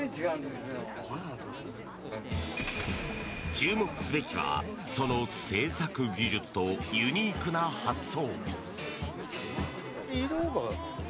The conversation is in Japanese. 注目すべきはその製作技術とユニークな発想。